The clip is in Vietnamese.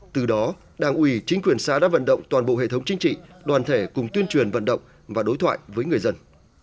từ đó đảng ủy chính quyền xã đã vận động toàn bộ hệ thống chính trị đoàn thể cùng tuyên truyền vận động và đối thoại với người dân